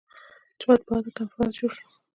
چې مطبوعاتي کنفرانس جوړ کي.